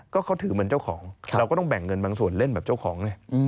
ก็เขาถือเหมือนเจ้าของเราก็ต้องแบ่งเงินบางส่วนเล่นแบบเจ้าของไง